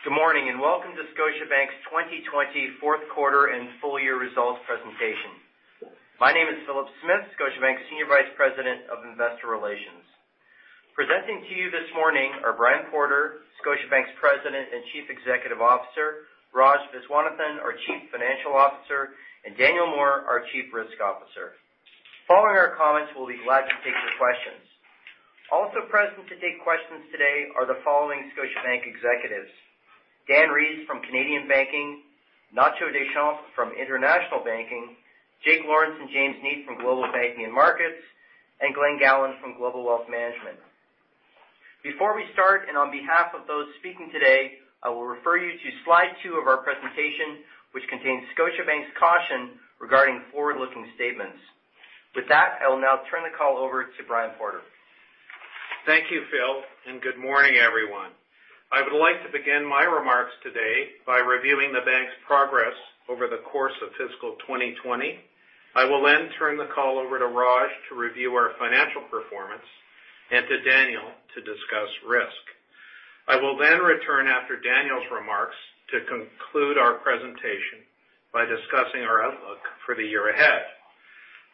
Good morning, welcome to Scotiabank's 2020 fourth quarter and full year results presentation. My name is Philip Smith, Scotiabank's Senior Vice President of Investor Relations. Presenting to you this morning are Brian Porter, Scotiabank's President and Chief Executive Officer, Raj Viswanathan, our Chief Financial Officer, and Daniel Moore, our Chief Risk Officer. Following our comments, we'll be glad to take your questions. Also present to take questions today are the following Scotiabank executives: Dan Rees from Canadian Banking, Ignacio Deschamps from International Banking, Jake Lawrence and James Neate from Global Banking and Markets, and Glen Gowland from Global Wealth Management. Before we start, on behalf of those speaking today, I will refer you to slide two of our presentation, which contains Scotiabank's caution regarding forward-looking statements. With that, I will now turn the call over to Brian Porter. Thank you, Philip, good morning, everyone. I would like to begin my remarks today by reviewing the bank's progress over the course of fiscal 2020. I will turn the call over to Raj to review our financial performance and to Daniel to discuss risk. I will return after Daniel's remarks to conclude our presentation by discussing our outlook for the year ahead.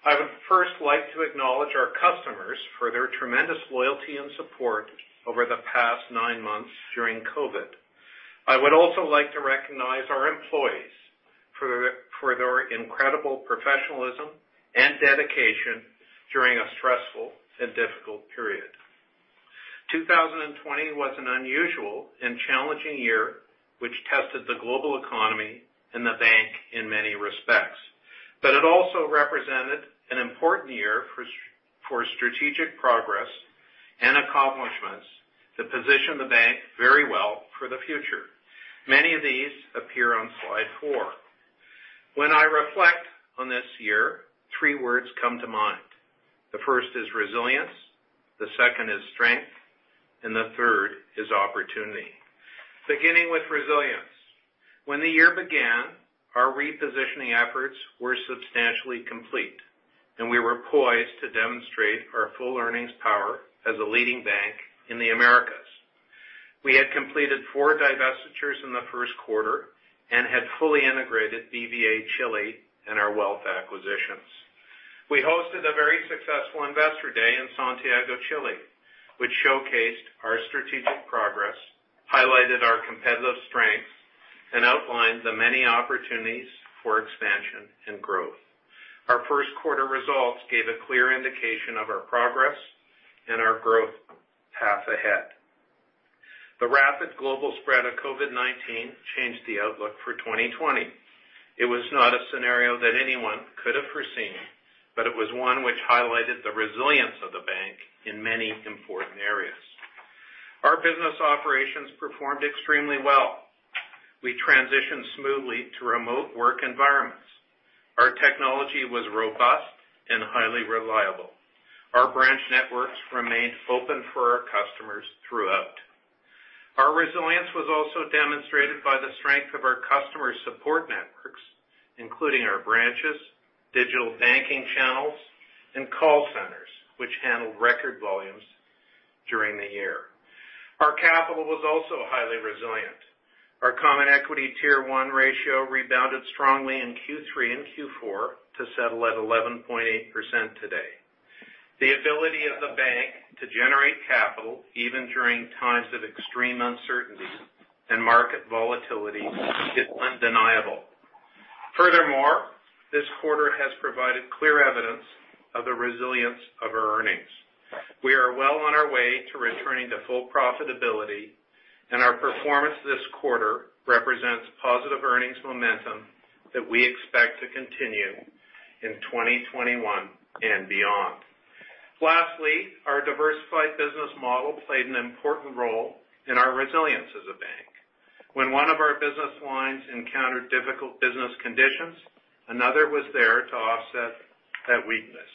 I would first like to acknowledge our customers for their tremendous loyalty and support over the past nine months during COVID-19. I would also like to recognize our employees for their incredible professionalism and dedication during a stressful and difficult period. 2020 was an unusual and challenging year which tested the global economy and the bank in many respects. It also represented an important year for strategic progress and accomplishments that position the bank very well for the future. Many of these appear on slide four. When I reflect on this year, three words come to mind. The first is resilience, the second is strength, and the third is opportunity. Beginning with resilience. When the year began, our repositioning efforts were substantially complete, and we were poised to demonstrate our full earnings power as a leading bank in the Americas. We had completed four divestitures in the first quarter and had fully integrated BBVA Chile and our wealth acquisitions. We hosted a very successful investor day in Santiago, Chile, which showcased our strategic progress, highlighted our competitive strengths, and outlined the many opportunities for expansion and growth. Our first quarter results gave a clear indication of our progress and our growth path ahead. The rapid global spread of COVID-19 changed the outlook for 2020. It was not a scenario that anyone could have foreseen, but it was one which highlighted the resilience of the bank in many important areas. Our business operations performed extremely well. We transitioned smoothly to remote work environments. Our technology was robust and highly reliable. Our branch networks remained open for our customers throughout. Our resilience was also demonstrated by the strength of our customer support networks, including our branches, digital banking channels, and call centers, which handled record volumes during the year. Our capital was also highly resilient. Our common equity Tier 1 ratio rebounded strongly in Q3 and Q4 to settle at 11.8% today. The ability of the bank to generate capital, even during times of extreme uncertainty and market volatility, is undeniable. Furthermore, this quarter has provided clear evidence of the resilience of our earnings. We are well on our way to returning to full profitability, and our performance this quarter represents positive earnings momentum that we expect to continue in 2021 and beyond. Lastly, our diversified business model played an important role in our resilience as a bank. When one of our business lines encountered difficult business conditions, another was there to offset that weakness.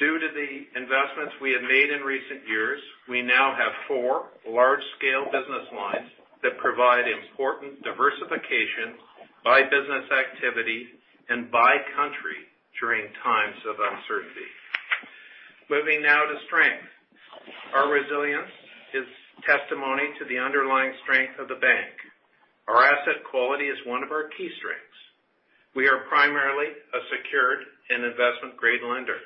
Due to the investments we have made in recent years, we now have four large-scale business lines that provide important diversification by business activity and by country during times of uncertainty. Moving now to strength. Our resilience is testimony to the underlying strength of the bank. Our asset quality is one of our key strengths. We are primarily a secured and investment-grade lender,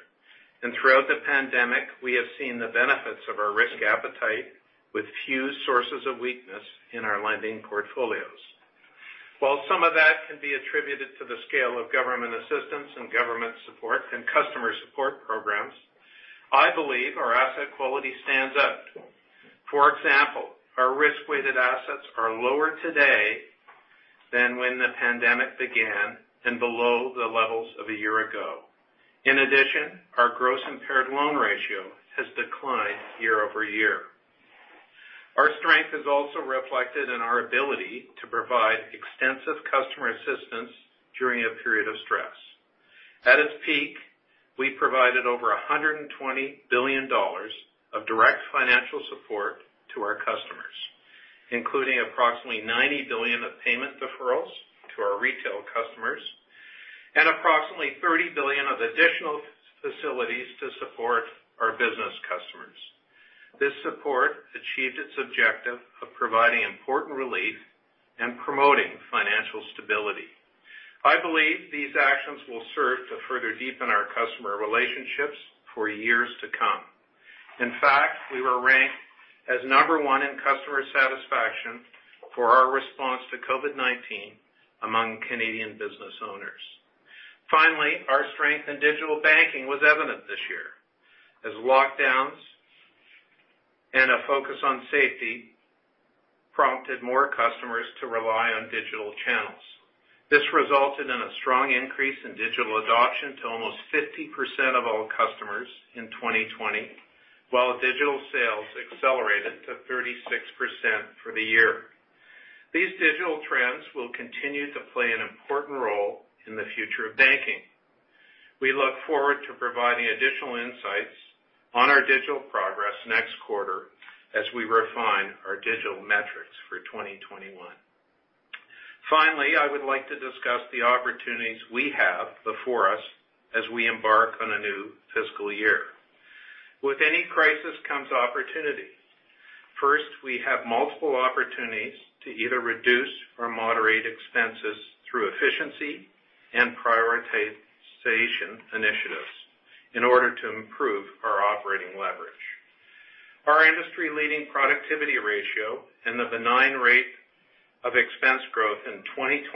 and throughout the pandemic, we have seen the benefits of our risk appetite with few sources of weakness in our lending portfolios. While some of that can be attributed to the scale of government assistance and government support and customer support programs, I believe our asset quality stands out. For example, our risk-weighted assets are lower today than when the pandemic began and below the levels of a year ago. In addition, our gross impaired loan ratio has declined year-over-year. Our strength is also reflected in our ability to provide extensive customer assistance during a period of stress. At its peak, we provided over 120 billion dollars of direct financial support to our customers, including approximately 90 billion of payment deferrals to our retail customers. Approximately 30 billion of additional facilities to support our business customers. This support achieved its objective of providing important relief and promoting financial stability. I believe these actions will serve to further deepen our customer relationships for years to come. In fact, we were ranked as number one in customer satisfaction for our response to COVID-19 among Canadian business owners. Our strength in digital banking was evident this year, as lockdowns and a focus on safety prompted more customers to rely on digital channels. This resulted in a strong increase in digital adoption to almost 50% of all customers in 2020, while digital sales accelerated to 36% for the year. These digital trends will continue to play an important role in the future of banking. We look forward to providing additional insights on our digital progress next quarter as we refine our digital metrics for 2021. I would like to discuss the opportunities we have before us as we embark on a new fiscal year. With any crisis comes opportunity. First, we have multiple opportunities to either reduce or moderate expenses through efficiency and prioritization initiatives in order to improve our operating leverage. Our industry-leading productivity ratio and the benign rate of expense growth in 2020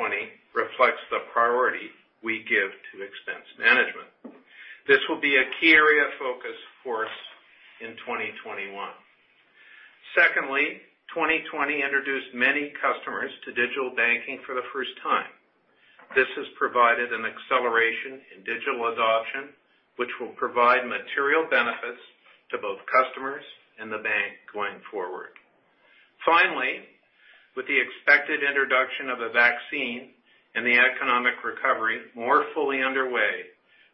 reflects the priority we give to expense management. This will be a key area of focus for us in 2021. Secondly, 2020 introduced many customers to digital banking for the first time. This has provided an acceleration in digital adoption, which will provide material benefits to both customers and the Bank going forward. Finally, with the expected introduction of a vaccine and the economic recovery more fully underway,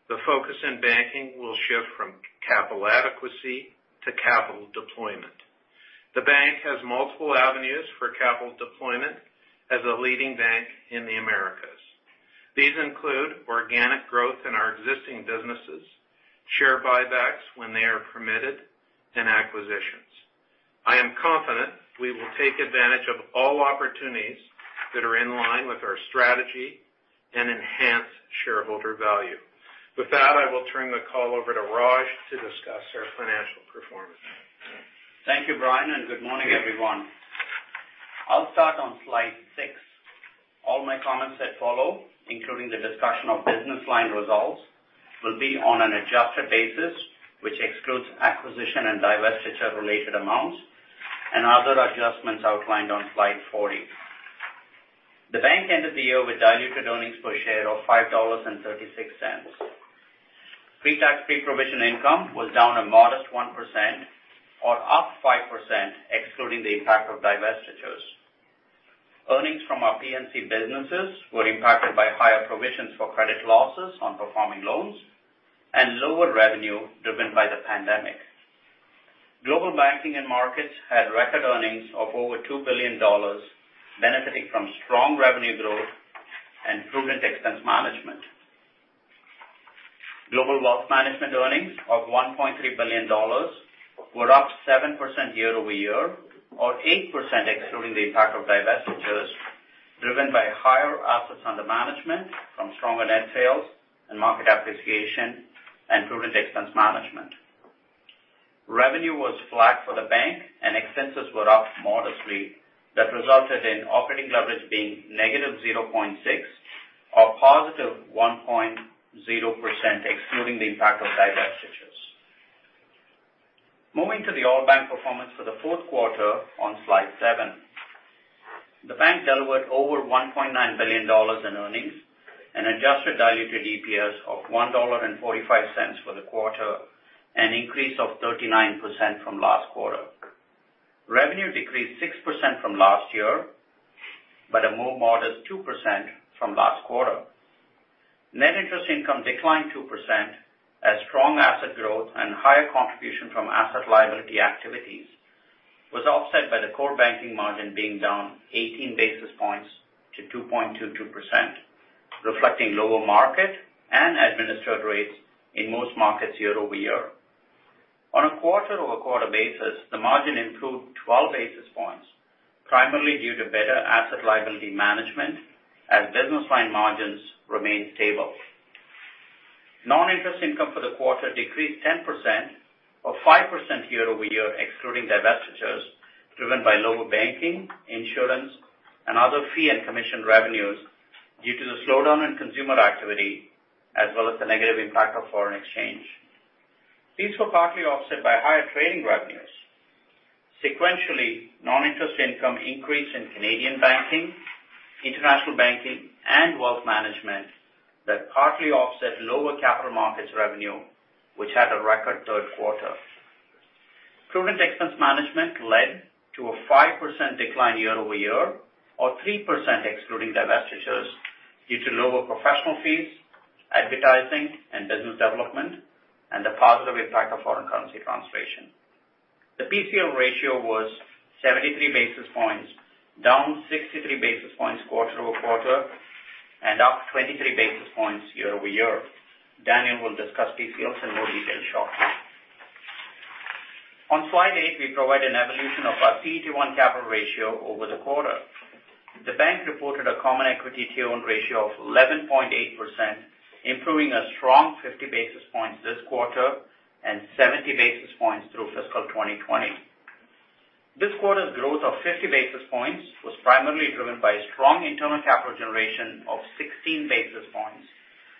the focus in banking will shift from capital adequacy to capital deployment. The Bank has multiple avenues for capital deployment as a leading Bank in the Americas. These include organic growth in our existing businesses, share buybacks when they are permitted, and acquisitions. I am confident we will take advantage of all opportunities that are in line with our strategy and enhance shareholder value. With that, I will turn the call over to Raj to discuss our financial performance. Thank you, Brian. Good morning, everyone. I'll start on slide six. All my comments that follow, including the discussion of business line results, will be on an adjusted basis, which excludes acquisition and divestiture-related amounts and other adjustments outlined on slide 40. The bank ended the year with diluted earnings per share of 5.36 dollars. Pre-tax, pre-provision income was down a modest 1%, or up 5% excluding the impact of divestitures. Earnings from our P&C businesses were impacted by higher provisions for credit losses on performing loans and lower revenue driven by the pandemic. Global Banking and Markets had record earnings of over 2 billion dollars, benefiting from strong revenue growth and prudent expense management. Global Wealth Management earnings of 1.3 billion dollars were up 7% year-over-year, or 8% excluding the impact of divestitures, driven by higher assets under management from stronger net sales and market appreciation and prudent expense management. Revenue was flat for the bank, expenses were up modestly. That resulted in operating leverage being -0.6 or +1.0% excluding the impact of divestitures. Moving to the all-bank performance for the fourth quarter on Slide seven. The bank delivered over 1.9 billion dollars in earnings, an adjusted diluted EPS of 1.45 dollar for the quarter, an increase of 39% from last quarter. Revenue decreased 6% from last year, a more modest 2% from last quarter. Net interest income declined 2% as strong asset growth and higher contribution from asset liability activities was offset by the core banking margin being down 18 basis points to 2.22%, reflecting lower market and administered rates in most markets year-over-year. On a quarter-over-quarter basis, the margin improved 12 basis points, primarily due to better asset liability management as business line margins remained stable. Non-interest income for the quarter decreased 10%, or 5% year-over-year excluding divestitures, driven by lower banking, insurance, and other fee and commission revenues due to the slowdown in consumer activity as well as the negative impact of foreign exchange. These were partly offset by higher trading revenues. Sequentially, non-interest income increased in Canadian Banking, International Banking, and Wealth Management that partly offset lower capital markets revenue, which had a record third quarter. Prudent expense management led to a 5% decline year-over-year, or 3% excluding divestitures due to lower professional fees, advertising, and business development and the positive impact of foreign currency translation. The PCL ratio was 73 basis points, down 63 basis points quarter-over-quarter, and up 23 basis points year-over-year. Daniel will discuss PCLs in more detail shortly. On slide eight, we provide an evolution of our CET1 capital ratio over the quarter. The bank reported a common equity Tier 1 ratio of 11.8%, improving a strong 50 basis points this quarter and 70 basis points through fiscal 2020. This quarter's growth of 50 basis points was primarily driven by strong internal capital generation of 16 basis points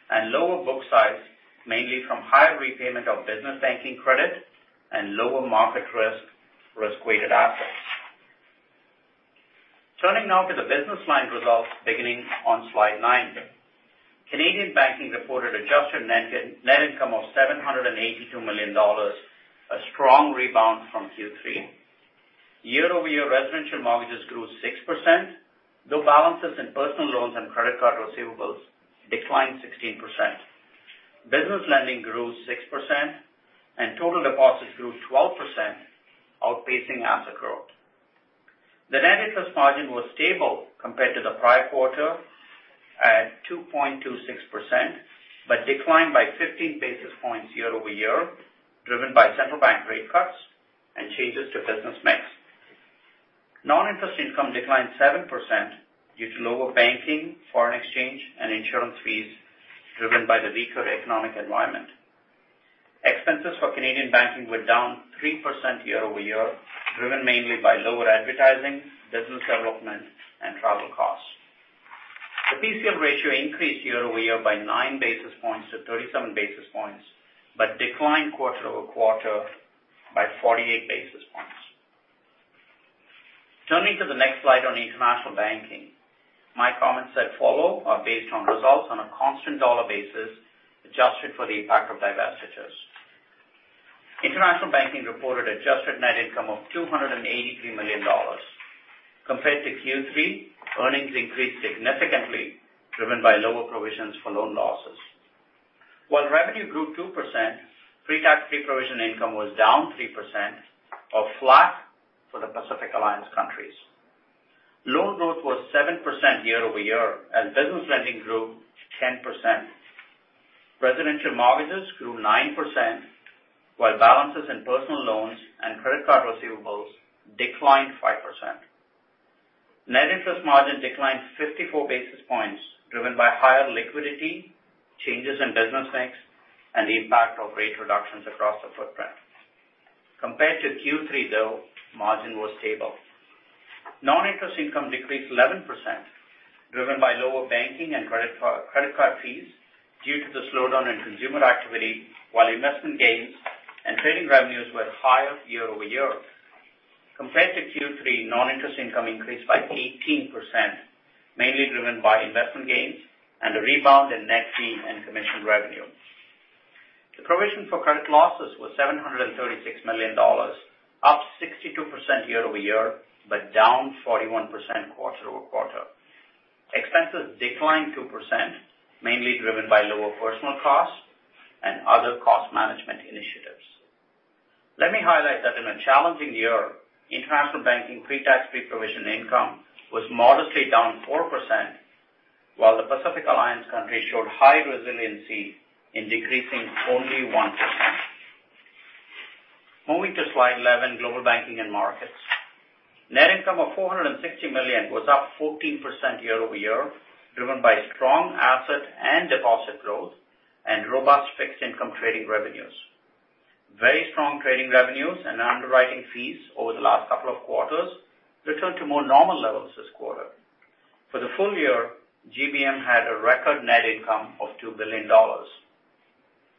and lower book size, mainly from high repayment of business banking credit and lower market risk for risk-weighted assets. Turning now to the business line results beginning on slide nine. Canadian Banking reported adjusted net income of 782 million dollars, a strong rebound from Q3. Year-over-year residential mortgages grew 6%, though balances in personal loans and credit card receivables declined 16%. Business lending grew 6%, Total deposits grew 12%, outpacing asset growth. The net interest margin was stable compared to the prior quarter at 2.26%, but declined by 50 basis points year-over-year, driven by central bank rate cuts and changes to business mix. Non-interest income declined 7% due to lower banking, Foreign Exchange, and insurance fees, driven by the weaker economic environment. Expenses for Canadian Banking were down 3% year-over-year, driven mainly by lower advertising, business development, and travel costs. The PCL ratio increased year-over-year by nine basis points to 37 basis points, declined quarter-over-quarter by 48 basis points. Turning to the next slide on International Banking. My comments that follow are based on results on a constant dollar basis, adjusted for the impact of divestitures. International Banking reported adjusted net income of 283 million dollars. Compared to Q3, earnings increased significantly, driven by lower provisions for loan losses. While revenue grew 2%, Pre-Tax, Pre-Provision income was down 3%, or flat for the Pacific Alliance countries. Loan growth was 7% year-over-year and business lending grew 10%. Residential mortgages grew 9%, while balances in personal loans and credit card receivables declined 5%. Net interest margin declined 54 basis points, driven by higher liquidity, changes in business mix, and the impact of rate reductions across the footprint. Compared to Q3, though, margin was stable. Non-interest income decreased 11%, driven by lower banking and credit card fees due to the slowdown in consumer activity, while investment gains and trading revenues were higher year-over-year. Compared to Q3, non-interest income increased by 18%, mainly driven by investment gains and a rebound in net fees and commission revenue. The provision for credit losses was 736 million dollars, up 62% year-over-year, but down 41% quarter-over-quarter. Expenses declined 2%, mainly driven by lower personnel costs and other cost management initiatives. Let me highlight that in a challenging year, International Banking pre-tax pre-provision income was modestly down 4%, while the Pacific Alliance countries showed high resiliency in decreasing only 1%. Moving to slide 11, Global Banking and Markets. Net income of 460 million was up 14% year-over-year, driven by strong asset and deposit growth and robust fixed income trading revenues. Very strong trading revenues and underwriting fees over the last couple of quarters returned to more normal levels this quarter. For the full year, GBM had a record net income of 2 billion dollars.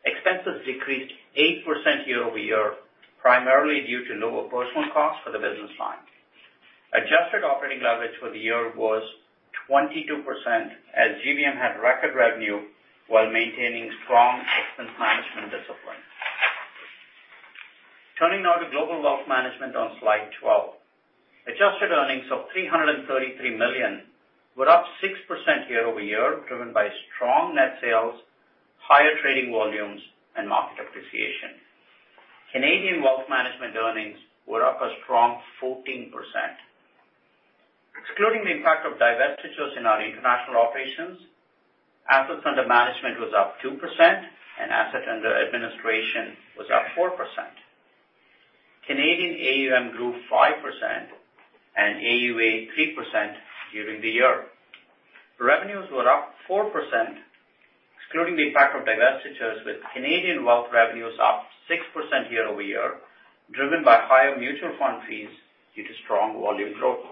Expenses decreased 8% year-over-year, primarily due to lower personal costs for the business line. Adjusted operating leverage for the year was 22% as GBM had record revenue while maintaining strong expense management discipline. Turning now to Global Wealth Management on slide 12. Adjusted earnings of 333 million were up 6% year-over-year, driven by strong net sales, higher trading volumes, and market appreciation. Canadian wealth management earnings were up a strong 14%. Excluding the impact of divestitures in our international operations, assets under management was up 2% and assets under administration was up 4%. Canadian AUM grew 5% and AUA 3% during the year. Revenues were up 4%, excluding the impact of divestitures, with Canadian wealth revenues up 6% year-over-year, driven by higher mutual fund fees due to strong volume growth.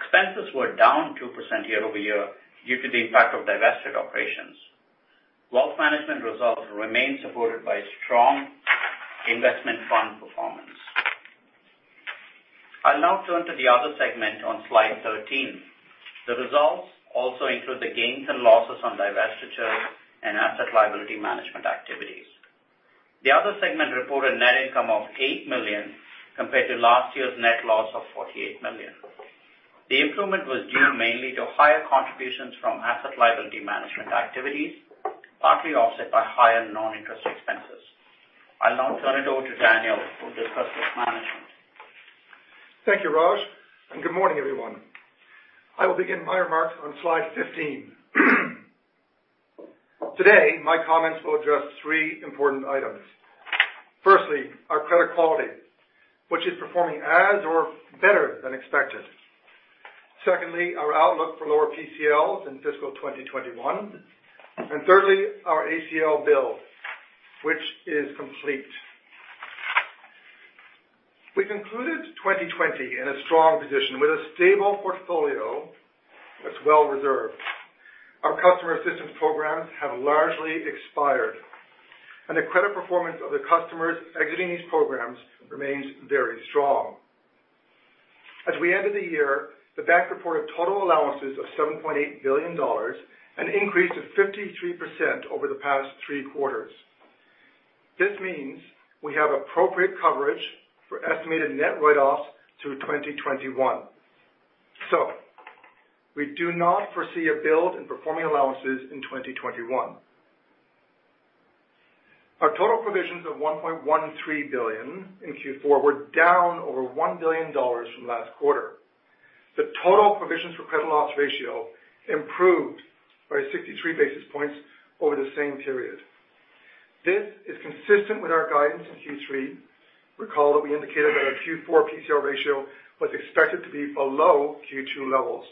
Expenses were down 2% year-over-year due to the impact of divested operations. Wealth management results remain supported by strong investment fund performance. I'll now turn to the Other Segment on slide 13. The results also include the gains and losses on divestitures and asset liability management activities. The Other Segment reported net income of 8 million compared to last year's net loss of 48 million. The improvement was due mainly to higher contributions from asset liability management activities, partly offset by higher non-interest expenses. I'll now turn it over to Daniel, who will discuss risk management. Thank you, Raj, good morning, everyone. I will begin my remarks on slide 15. Today, my comments will address three important items. Firstly, our credit quality, which is performing as or better than expected. Secondly, our outlook for lower PCLs in fiscal 2021. Thirdly, our ACL build, which is complete. We concluded 2020 in a strong position with a stable portfolio that's well reserved. Our customer assistance programs have largely expired, and the credit performance of the customers exiting these programs remains very strong. As we ended the year, the bank reported total allowances of 7.8 billion dollars, an increase of 53% over the past three quarters. This means we have appropriate coverage for estimated net write-offs through 2021. We do not foresee a build in performing allowances in 2021. Our total provisions of 1.13 billion in Q4 were down over 1 billion dollars from last quarter. The total provisions for credit loss ratio improved by 63 basis points over the same period. This is consistent with our guidance in Q3. Recall that we indicated that our Q4 PCL ratio was expected to be below Q2 levels.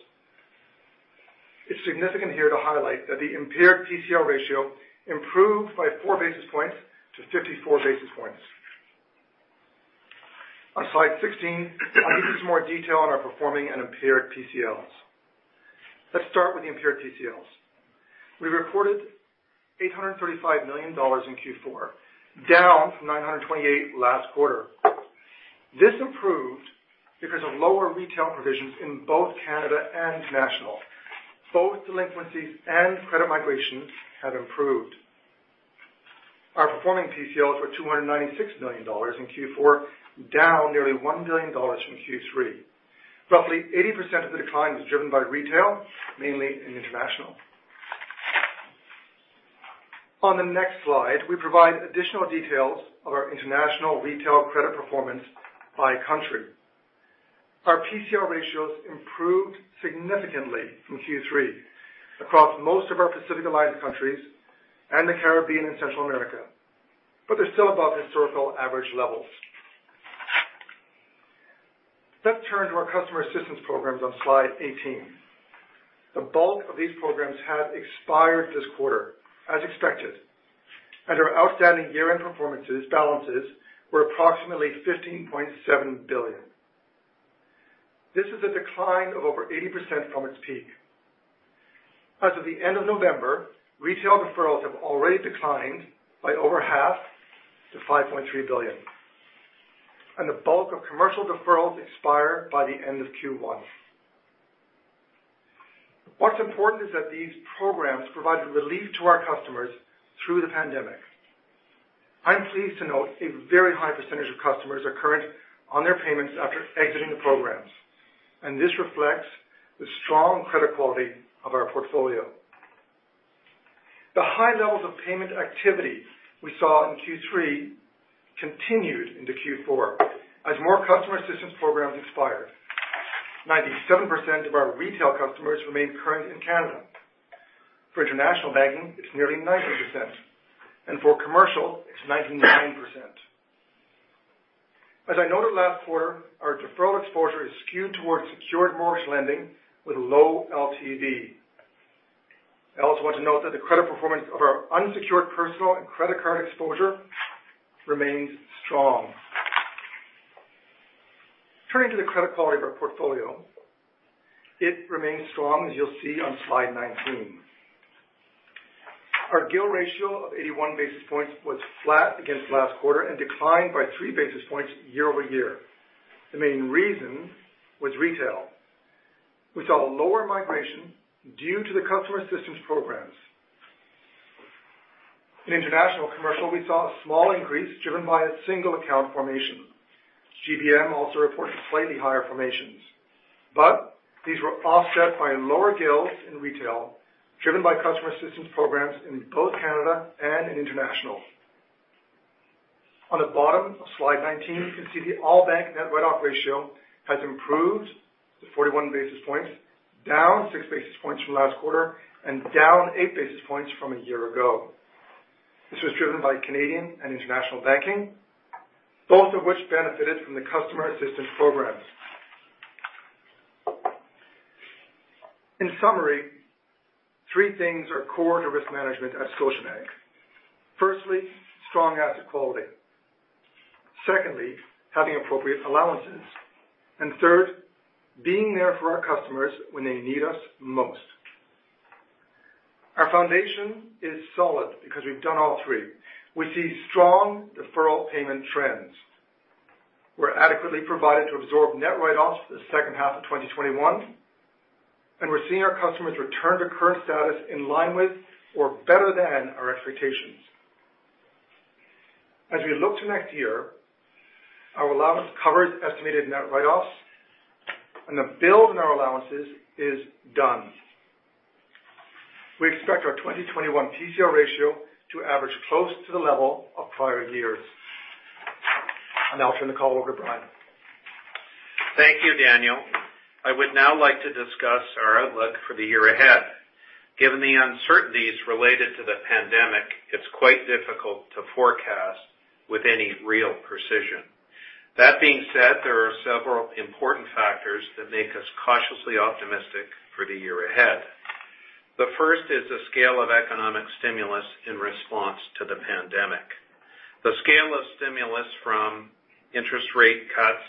It's significant here to highlight that the impaired PCL ratio improved by four basis points to 54 basis points. On slide 16, I give you some more detail on our performing and impaired PCLs. Let's start with the impaired PCLs. We reported 835 million dollars in Q4, down from 928 last quarter. This improved because of lower retail provisions in both Canada and international. Both delinquencies and credit migrations have improved. Our performing PCLs were 296 million dollars in Q4, down nearly 1 billion dollars from Q3. Roughly 80% of the decline was driven by retail, mainly in international. On the next slide, we provide additional details of our International retail credit performance by country. Our PCR ratios improved significantly from Q3 across most of our Pacific Alliance countries and the Caribbean and Central America, but they're still above historical average levels. Let's turn to our customer assistance programs on slide 18. The bulk of these programs have expired this quarter, as expected, and our outstanding year-end balances were approximately 15.7 billion. This is a decline of over 80% from its peak. As of the end of November, retail deferrals have already declined by over half to 5.3 billion, and the bulk of commercial deferrals expire by the end of Q1. What's important is that these programs provided relief to our customers through the pandemic. I am pleased to note a very high percentage of customers are current on their payments after exiting the programs, and this reflects the strong credit quality of our portfolio. The high levels of payment activity we saw in Q3 continued into Q4 as more customer assistance programs expired. 97% of our retail customers remain current in Canada. For International Banking, it's nearly 90%, and for commercial, it's 99%. As I noted last quarter, our deferred exposure is skewed towards secured mortgage lending with low LTV. I also want to note that the credit performance of our unsecured personal and credit card exposure remains strong. Turning to the credit quality of our portfolio, it remains strong, as you will see on slide 19. Our GIL ratio of 81 basis points was flat against last quarter and declined by three basis points year-over-year. The main reason was retail. We saw lower migration due to the customer assistance programs. In international commercial, we saw a small increase driven by a single account formation. GBM also reported slightly higher formations, but these were offset by lower GILs in retail driven by customer assistance programs in both Canada and in international. On the bottom of slide 19, you can see the all bank net write-off ratio has improved to 41 basis points, down six basis points from last quarter and down eight basis points from a year ago. This was driven by Canadian Banking and International Banking, both of which benefited from the customer assistance programs. In summary, three things are core to risk management at Scotiabank. Firstly, strong asset quality. Secondly, having appropriate allowances. Third, being there for our customers when they need us most. Our foundation is solid because we've done all three. We see strong deferral payment trends. We're adequately provided to absorb net write-offs for the second half of 2021, and we're seeing our customers return to current status in line with or better than our expectations. As we look to next year, our allowance covers estimated net write-offs and the build in our allowances is done. We expect our 2021 PCL ratio to average close to the level of prior years. I'll now turn the call over to Brian. Thank you, Daniel. I would now like to discuss our outlook for the year ahead. Given the uncertainties related to the pandemic, it's quite difficult to forecast with any real precision. That being said, there are several important factors that make us cautiously optimistic for the year ahead. The first is the scale of economic stimulus in response to the pandemic. The scale of stimulus from interest rate cuts,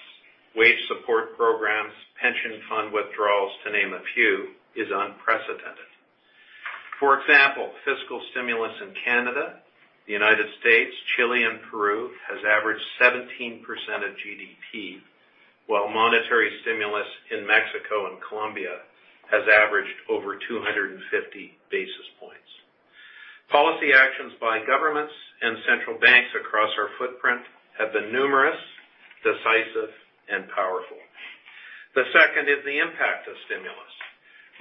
wage support programs, pension fund withdrawals, to name a few, is unprecedented. For example, fiscal stimulus in Canada, the United States, Chile, and Peru has averaged 17% of GDP, while monetary stimulus in Mexico and Colombia has averaged over 250 basis points. Policy actions by governments and central banks across our footprint have been numerous, decisive, and powerful. The second is the impact of stimulus.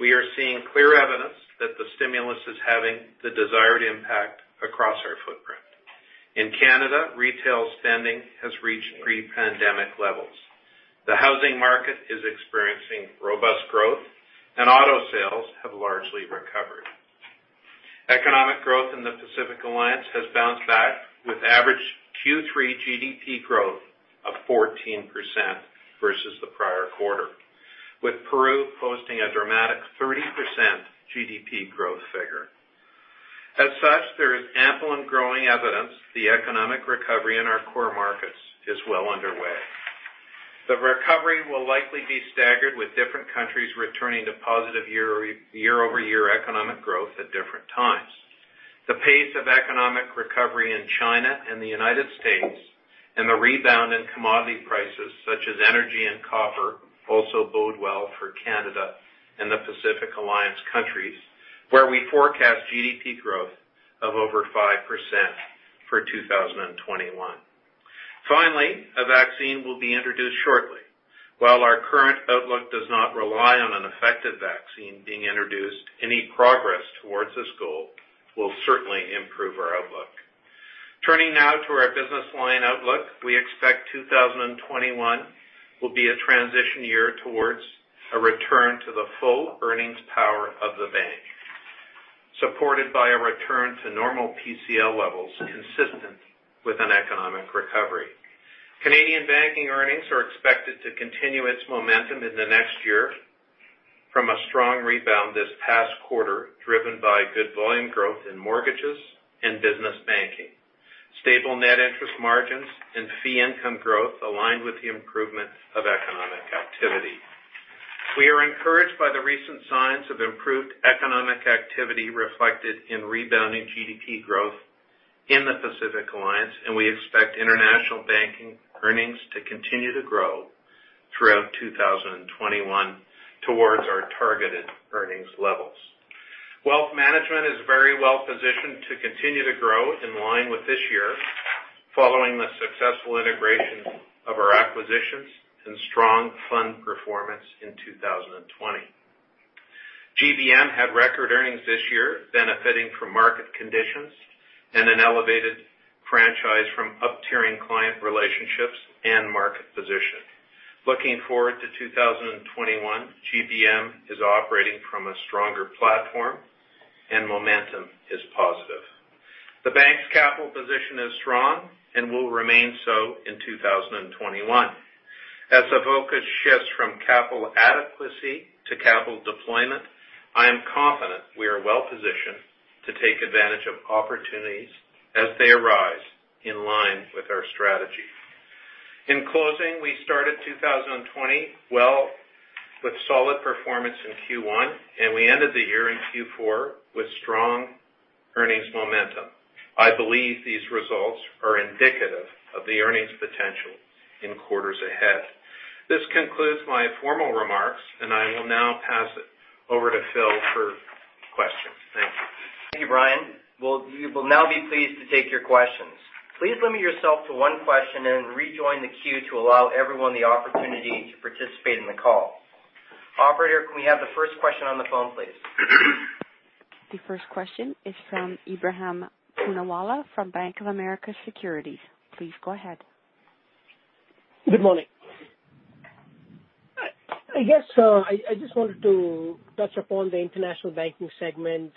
We are seeing clear evidence that the stimulus is having the desired impact across our footprint. In Canada, retail spending has reached pre-pandemic levels. The housing market is experiencing robust growth, and auto sales have largely recovered. Economic growth in the Pacific Alliance has bounced back with average Q3 GDP growth of 14% versus the prior quarter, with Peru posting a dramatic 30% GDP growth figure. As such, there is ample and growing evidence the economic recovery in our core markets is well underway. The recovery will likely be staggered, with different countries returning to positive year-over-year economic growth at different times. The pace of economic recovery in China and the United States and the rebound in commodity prices such as energy and copper also bode well for Canada and the Pacific Alliance countries, where we forecast GDP growth of over 5% for 2021. Finally, a vaccine will be introduced shortly. While our current outlook does not rely on an effective vaccine being introduced, any progress towards this goal will certainly improve our outlook. Turning now to our business line outlook, we expect 2021 will be a transition year towards a return to the full earnings power of the bank, supported by a return to normal PCL levels consistent with an economic recovery. Canadian Banking earnings are expected to continue its momentum in the next year from a strong rebound this past quarter, driven by good volume growth in mortgages and business banking, stable net interest margins, and fee income growth aligned with the improvement of economic activity. We are encouraged by the recent signs of improved economic activity reflected in rebounding GDP growth in the Pacific Alliance, and we expect International Banking earnings to continue to grow throughout 2021 towards our targeted earnings levels. Wealth Management is very well positioned to continue to grow in line with this year following the successful integration of our acquisitions and strong fund performance in 2020. GBM had record earnings this year, benefiting from market conditions and an elevated franchise from up-tiering client relationships and market position. Looking forward to 2021, GBM is operating from a stronger platform and momentum is positive. The bank's capital position is strong and will remain so in 2021. As the focus shifts from capital adequacy to capital deployment, I am confident we are well-positioned to take advantage of opportunities as they arise in line with our strategy. In closing, we started 2020 well with solid performance in Q1, and we ended the year in Q4 with strong earnings momentum. I believe these results are indicative of the earnings potential in quarters ahead. This concludes my formal remarks. I will now pass it over to Phil for questions. Thank you. Thank you, Brian. We will now be pleased to take your questions. Please limit yourself to one question and rejoin the queue to allow everyone the opportunity to participate in the call. Operator, can we have the first question on the phone, please? The first question is from Ebrahim Poonawala from BofA Securities. Please go ahead. Good morning. I just wanted to touch upon the International Banking segment.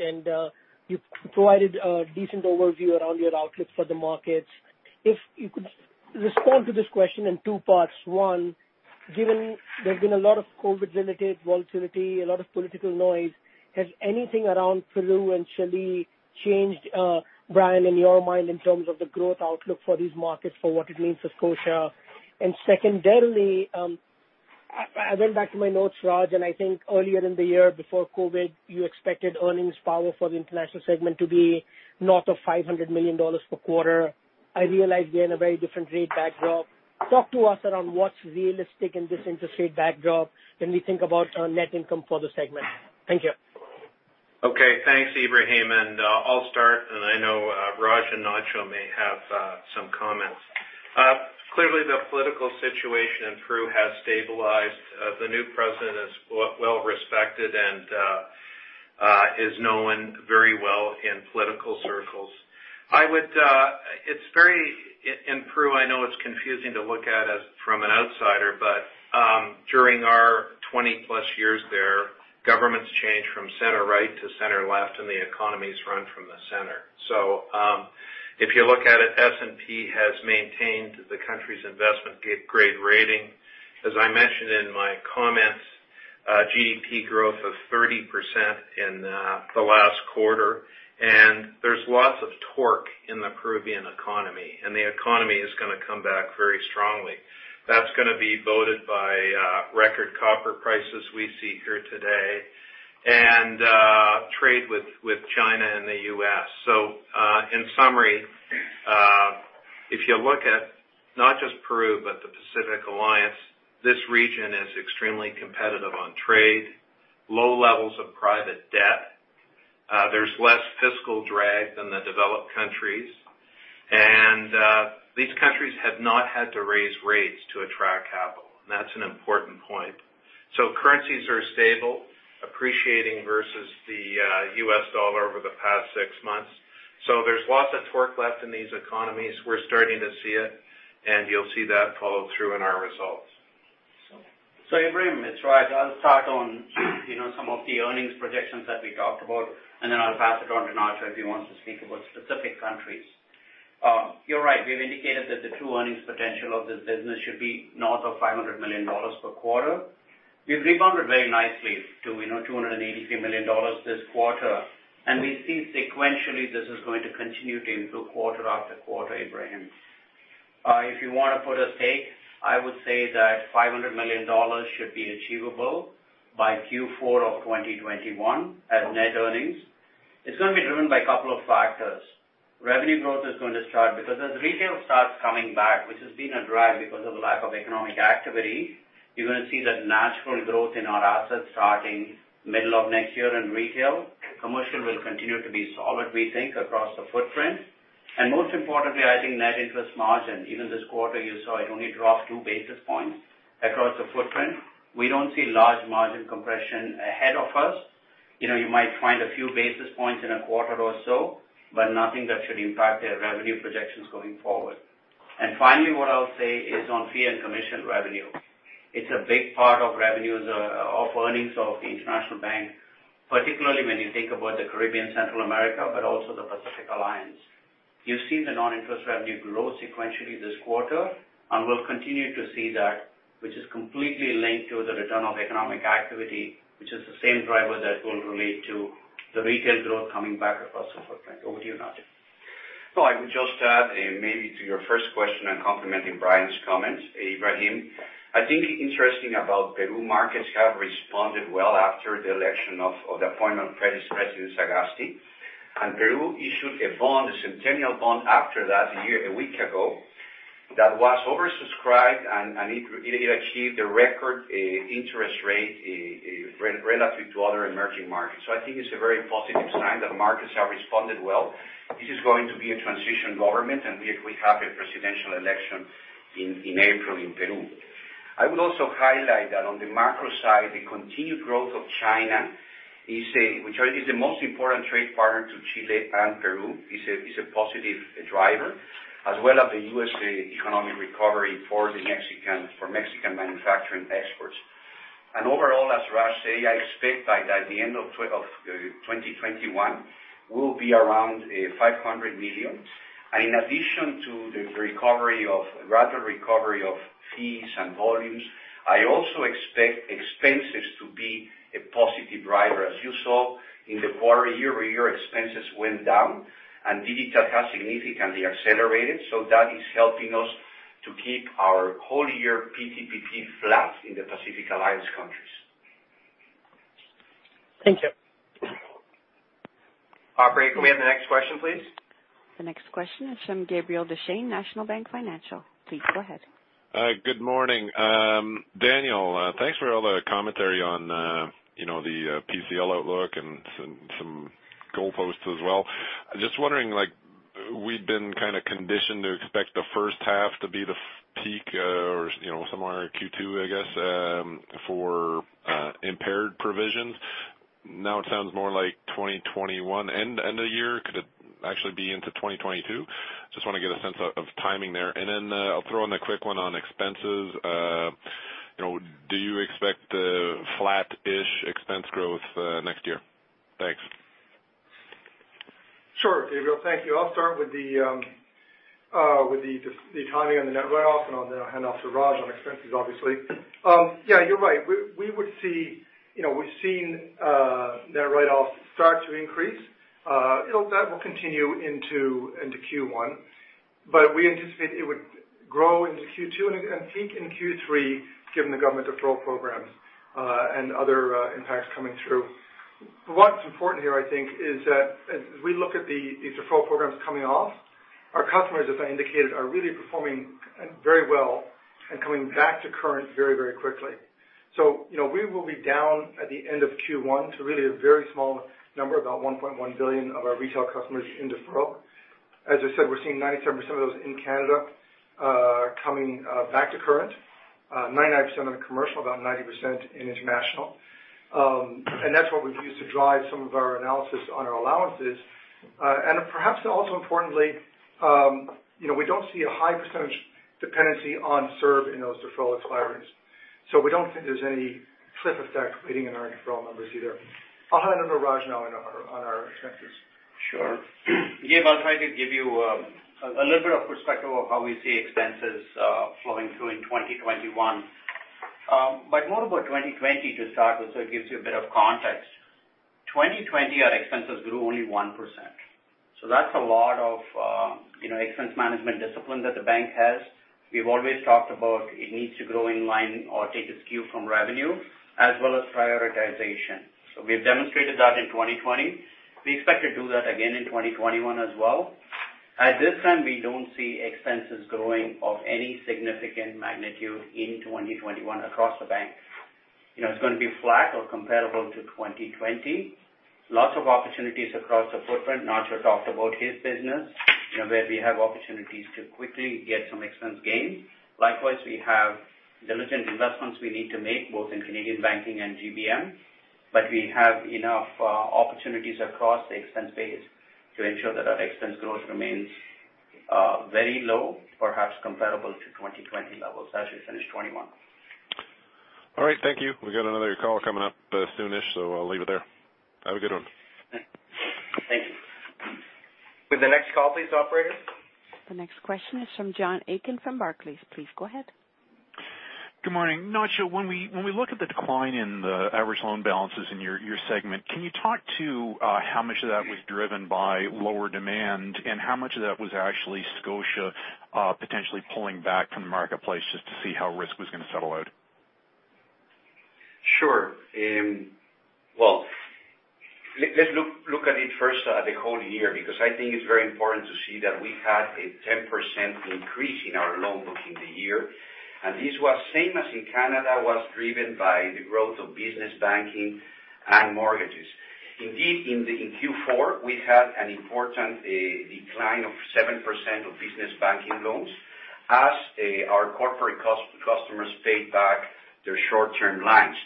You provided a decent overview around your outlook for the markets. If you could respond to this question in two parts. One, given there's been a lot of COVID-related volatility, a lot of political noise, has anything around Peru and Chile changed, Brian, in your mind, in terms of the growth outlook for these markets for what it means for Scotia? Secondarily, I went back to my notes, Raj, and I think earlier in the year before COVID, you expected earnings power for the International Banking segment to be north of 500 million dollars per quarter. I realize we are in a very different rate backdrop. Talk to us around what's realistic in this interest rate backdrop when we think about net income for the segment. Thank you. Okay. Thanks, Ebrahim. I'll start, and I know Raj and Nacho may have some comments. Clearly, the political situation in Peru has stabilized. The new president is well respected and is known very well in political circles. In Peru, I know it's confusing to look at from an outsider, but during our 20+ years there, governments change from center right to center left, and the economies run from the center. If you look at it, S&P has maintained the country's investment-grade rating. As I mentioned in my comments, GDP growth of 30% in the last quarter, and there's lots of torque in the Peruvian economy, and the economy is going to come back very strongly. That's going to be voted by record copper prices we see here today and trade with China and the U.S. In summary, if you look at not just Peru, but the Pacific Alliance, this region is extremely competitive on trade, low levels of private debt. There's less fiscal drag than the developed countries. These countries have not had to raise rates to attract capital, and that's an important point. Currencies are stable, appreciating versus the U.S. dollar over the past six months. There's lots of torque left in these economies. We're starting to see it, and you'll see that follow through in our results. Ebrahim, it's Raj. I'll start on some of the earnings projections that we talked about, and then I'll pass it on to Nacho if he wants to speak about specific countries. You're right, we've indicated that the true earnings potential of this business should be north of 500 million dollars per quarter. We've rebounded very nicely to 283 million dollars this quarter, and we see sequentially this is going to continue to improve quarter after quarter, Ebrahim. If you want to put a stake, I would say that 500 million dollars should be achievable by Q4 of 2021 as net earnings. It's going to be driven by a couple of factors. Revenue growth is going to start because as retail starts coming back, which has been a drag because of the lack of economic activity, you're going to see that natural growth in our assets starting middle of next year in retail. Commercial will continue to be solid, we think, across the footprint. Most importantly, I think net interest margin, even this quarter, you saw it only dropped two basis points across the footprint. We don't see large margin compression ahead of us. You might find a few basis points in a quarter or so, but nothing that should impact the revenue projections going forward. Finally, what I'll say is on fee and commission revenue. It's a big part of earnings of the International Banking, particularly when you think about the Caribbean, Central America, but also the Pacific Alliance. You've seen the non-interest revenue grow sequentially this quarter, and we'll continue to see that, which is completely linked to the return of economic activity, which is the same driver that will relate to the retail growth coming back across the footprint. Over to you, Ignacio. I would just add, maybe to your first question, I'm complimenting Brian's comments, Ebrahim. I think interesting about Peru markets have responded well after the election of the appointment of President Sagasti, and Peru issued a bond, a centennial bond after that a week ago that was oversubscribed, and it achieved a record interest rate relative to other emerging markets. I think it's a very positive sign that markets have responded well. This is going to be a transition government, and we have a presidential election in April in Peru. I would also highlight that on the macro side, the continued growth of China is the most important trade partner to Chile and Peru is a positive driver, as well as the USA economic recovery for Mexican manufacturing exports. Overall, as Raj say, I expect by the end of 2021 will be around 500 million. In addition to the rapid recovery of fees and volumes, I also expect expenses to be a positive driver. As you saw in the quarter year-over-year, expenses went down and digital has significantly accelerated, so that is helping us to keep our whole year PTPP flat in the Pacific Alliance countries. Thank you. Operator, can we have the next question, please? The next question is from Gabriel Dechaine, National Bank Financial. Please go ahead. Good morning. Daniel, thanks for all the commentary on the PCL outlook and some goalposts as well. Just wondering, we've been kind of conditioned to expect the first half to be the peak or somewhere in Q2, I guess, for impaired provisions. Now it sounds more like 2021 end of year. Could it actually be into 2022? Just want to get a sense of timing there. I'll throw in a quick one on expenses. Do you expect a flat-ish expense growth next year? Thanks. Sure, Gabriel. Thank you. I'll start with the timing on the net write-off. I'll hand off to Raj on expenses, obviously. Yeah, you're right. We've seen net write-offs start to increase. That will continue into Q1, but we anticipate it would grow into Q2 and peak in Q3 given the government deferral programs and other impacts coming through. What's important here, I think, is that as we look at these deferral programs coming off. Our customers, as I indicated, are really performing very well and coming back to current very quickly. We will be down at the end of Q1 to really a very small number, about 1.1 billion of our retail customers in deferral. As I said, we're seeing 97% of those in Canada coming back to current, 99% of them commercial, about 90% in International. That's what we've used to drive some of our analysis on our allowances. Perhaps also importantly, we don't see a high percentage dependency on CERB in those deferral expires. We don't think there's any flip effect reading in our deferral numbers either. I'll hand it over to Raj now on our expenses. Gabe, I'll try to give you a little bit of perspective of how we see expenses flowing through in 2021. More about 2020 to start with, it gives you a bit of context. 2020, our expenses grew only 1%. That's a lot of expense management discipline that the bank has. We've always talked about it needs to grow in line or take its cue from revenue as well as prioritization. We've demonstrated that in 2020. We expect to do that again in 2021 as well. At this time, we don't see expenses growing of any significant magnitude in 2021 across the bank. It's going to be flat or comparable to 2020. Lots of opportunities across the footprint. Nacho talked about his business, where we have opportunities to quickly get some expense gains. Likewise, we have diligent investments we need to make both in Canadian Banking and GBM, but we have enough opportunities across the expense base to ensure that our expense growth remains very low, perhaps comparable to 2020 levels as we finish 2021. All right. Thank you. We've got another call coming up soon-ish, so I'll leave it there. Have a good one. Thank you. Could we the next call please, operator? The next question is from John Aiken from Barclays. Please go ahead. Good morning. Nacho, when we look at the decline in the average loan balances in your segment, can you talk to how much of that was driven by lower demand and how much of that was actually Scotiabank potentially pulling back from the marketplace just to see how risk was going to settle out? Sure. Well, let's look at it first at the whole year, because I think it's very important to see that we had a 10% increase in our loan book in the year. This was same as in Canada, was driven by the growth of Business Banking and mortgages. Indeed, in Q4, we had an important decline of 7% of Business Banking loans as our corporate customers paid back their short-term lines.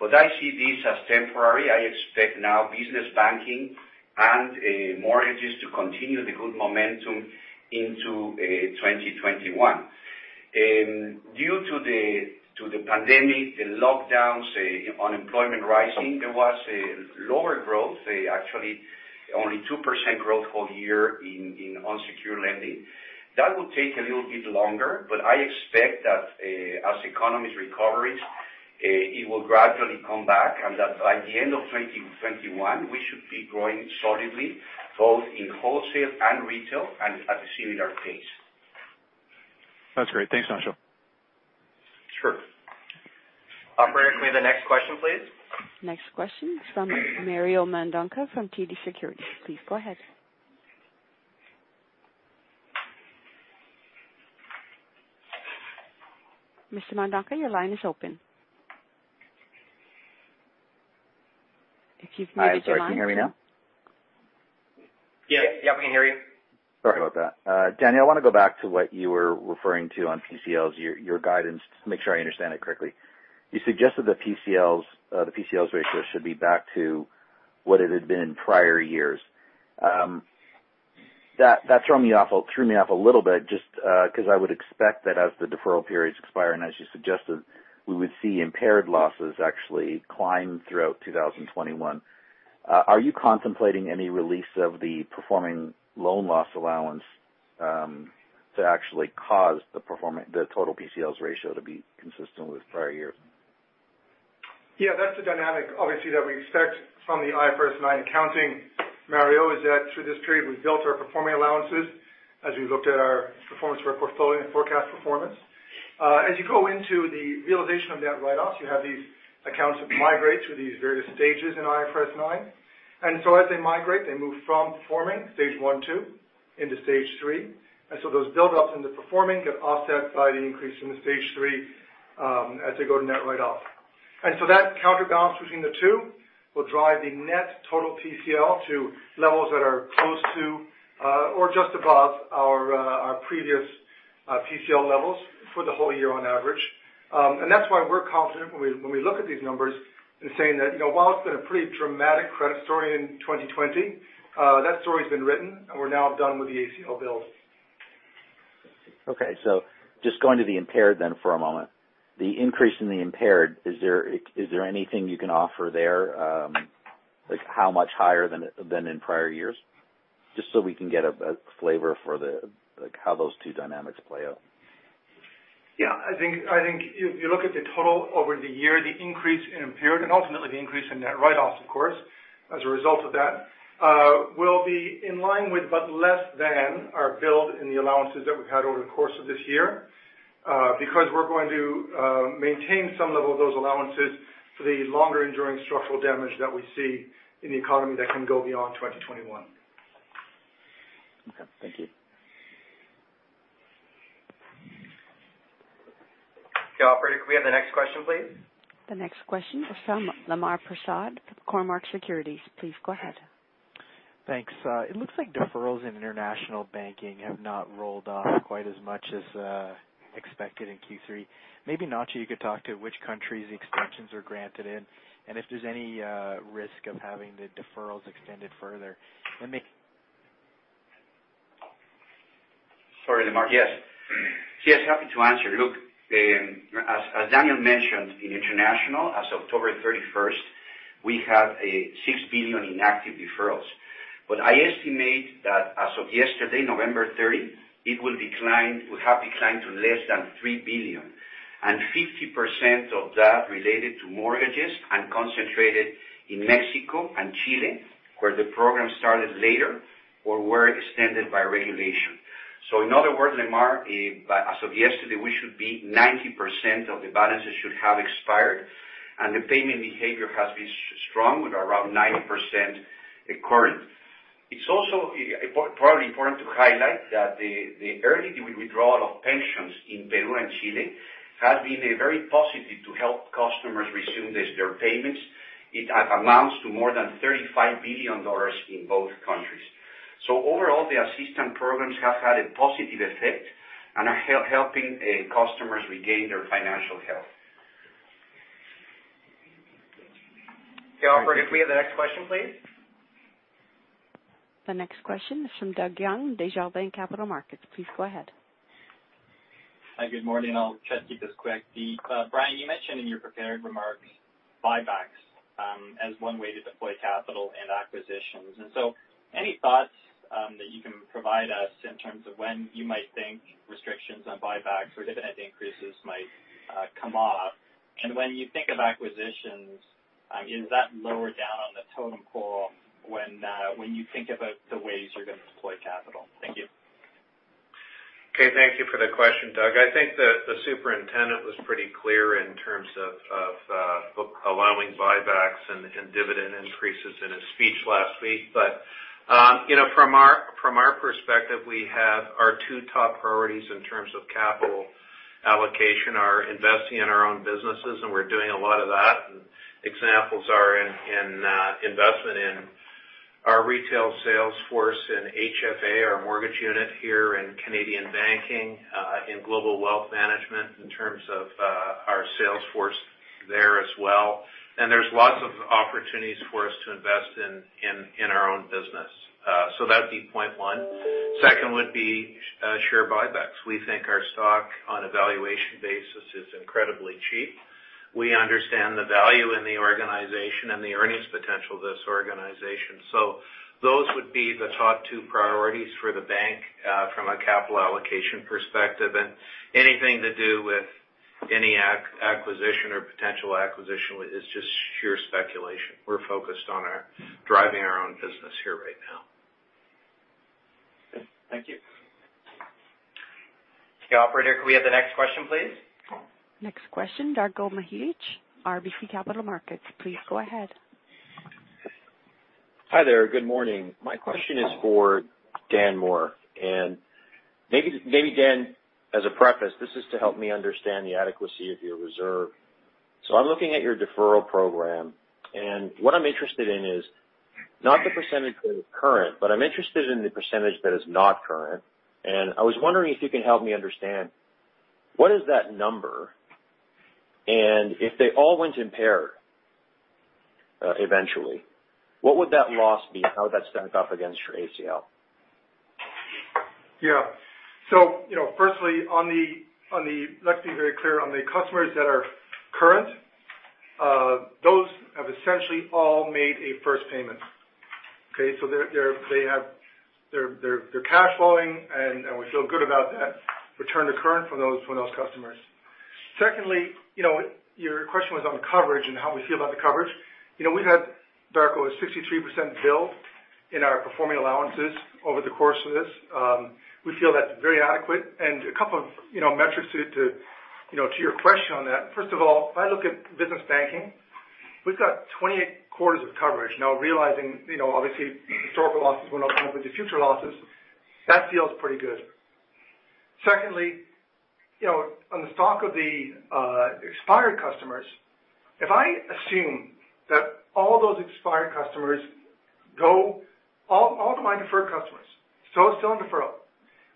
I see this as temporary. I expect now Business Banking and mortgages to continue the good momentum into 2021. Due to the pandemic, the lockdowns, unemployment rising, there was a lower growth, actually only 2% growth whole year in unsecured lending. That will take a little bit longer, but I expect that as economies recover, it will gradually come back, and that by the end of 2021, we should be growing solidly both in wholesale and retail and at a similar pace. That's great. Thanks, Ignacio. Sure. Operator, can we have the next question, please? Next question is from Mario Mendonca from TD Securities. Please go ahead. Mr. Mendonca, your line is open. If you've muted your line- Hi, sorry. Can you hear me now? Yeah. We can hear you. Sorry about that. Daniel, I want to go back to what you were referring to on PCLs, your guidance, to make sure I understand it correctly. You suggested the PCLs ratio should be back to what it had been in prior years. That threw me off a little bit, just because I would expect that as the deferral periods expire, as you suggested, we would see impaired losses actually climb throughout 2021. Are you contemplating any release of the performing loan loss allowance to actually cause the total PCLs ratio to be consistent with prior years? Yeah, that's the dynamic, obviously, that we expect from the IFRS 9 accounting, Mario, is that through this period, we've built our performing allowances as we looked at our performance for our portfolio and forecast performance. As you go into the realization of that write-offs, you have these accounts that migrate through these various stages in IFRS 9. As they migrate, they move from performing stage 1, 2 into stage 3. Those buildups in the performing get offset by the increase in the stage 3 as they go to net write-off. That counterbalance between the two will drive the net total PCL to levels that are close to or just above our previous PCL levels for the whole year on average. That's why we're confident when we look at these numbers in saying that while it's been a pretty dramatic credit story in 2020, that story's been written, and we're now done with the ACL build. Just going to the impaired then for a moment. The increase in the impaired, is there anything you can offer there? Like how much higher than in prior years? We can get a flavor for how those two dynamics play out. Yeah, I think if you look at the total over the year, the increase in impaired and ultimately the increase in net write-offs, of course, as a result of that, will be in line with but less than our build in the allowances that we've had over the course of this year. We're going to maintain some level of those allowances for the longer enduring structural damage that we see in the economy that can go beyond 2021. Okay. Thank you. Operator, could we have the next question, please? The next question is from Lemar Persaud of Cormark Securities. Please go ahead. Thanks. It looks like deferrals in International Banking have not rolled off quite as much as expected in Q3. Maybe Nacho, you could talk to which countries the extensions are granted in, and if there's any risk of having the deferrals extended further. Sorry, Lemar. Yes. Yes, happy to answer. Look, as Daniel mentioned, in International, as of October 31, we have a 6 billion in active deferrals. I estimate that as of yesterday, November 30, it will have declined to less than 3 billion, and 50% of that related to mortgages and concentrated in Mexico and Chile, where the program started later or were extended by regulation. In other words, Lemar, as of yesterday, 90% of the balances should have expired, and the payment behavior has been strong with around 90% current. It's also probably important to highlight that the early withdrawal of pensions in Peru and Chile has been very positive to help customers resume their payments. It amounts to more than 35 billion dollars in both countries. Overall, the assistant programs have had a positive effect and are helping customers regain their financial health. Operator, could we have the next question, please? The next question is from Doug Young, Desjardins Capital Markets. Please go ahead. Hi, good morning. I'll try to keep this quick. Brian, you mentioned in your prepared remarks buybacks as one way to deploy capital and acquisitions. Any thoughts that you can provide us in terms of when you might think restrictions on buybacks or dividend increases might come off? When you think of acquisitions, is that lower down on the totem pole when you think about the ways you're going to deploy capital? Thank you. Okay. Thank you for the question, Doug. The superintendent was pretty clear in terms of allowing buybacks and dividend increases in his speech last week. From our perspective, we have our two top priorities in terms of capital allocation are investing in our own businesses, and we're doing a lot of that. Examples are in investment in our retail sales force in HFA, our mortgage unit here in Canadian Banking, in Global Wealth Management in terms of our sales force there as well. There's lots of opportunities for us to invest in our own business. That would be point one. Second would be share buybacks. We think our stock on a valuation basis is incredibly cheap. We understand the value in the organization and the earnings potential of this organization. Those would be the top two priorities for the Bank from a capital allocation perspective, and anything to do with any acquisition or potential acquisition is just sheer speculation. We're focused on driving our own business here right now. Good. Thank you. Operator, could we have the next question, please? Next question, Darko Mihelic, RBC Capital Markets. Please go ahead. Hi there. Good morning. My question is for Dan Moore. Maybe Dan, as a preface, this is to help me understand the adequacy of your reserve. I'm looking at your deferral program, and what I'm interested in is not the percentage that is current, but I'm interested in the percentage that is not current. I was wondering if you can help me understand what is that number, and if they all went impaired, eventually, what would that loss be and how would that stack up against your ACL? Yeah. Firstly, let's be very clear. On the customers that are current, those have essentially all made a first payment. Okay. They're cash flowing, and we feel good about that return to current from those customers. Secondly, your question was on coverage and how we feel about the coverage. We've had, Darko, a 63% build in our performing allowances over the course of this. We feel that's very adequate. A couple of metrics to your question on that. First of all, if I look at business banking, we've got 28 quarters of coverage. Realizing, obviously, historical losses will not come up with the future losses. That feels pretty good. Secondly, on the stock of the expired customers, if I assume that all those expired customers, all of my deferred customers, still in deferral,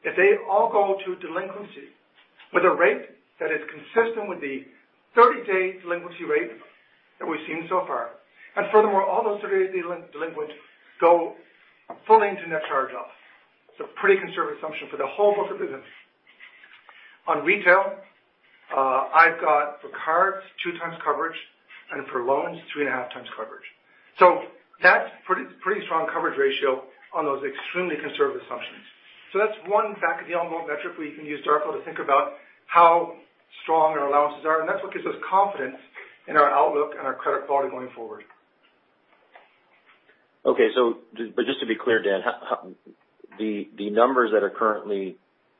if they all go to delinquency with a rate that is consistent with the 30-day delinquency rate that we've seen so far, and furthermore, all those 30-day delinquents go fully into net charge-off. It's a pretty conservative assumption for the whole book of business. On retail, I've got for cards, 2x coverage, and for loans, 3.5x coverage. That's pretty strong coverage ratio on those extremely conservative assumptions. That's one back of the envelope metric we can use, Darko, to think about how strong our allowances are, and that's what gives us confidence in our outlook and our credit quality going forward. Okay. Just to be clear, Dan, the numbers that currently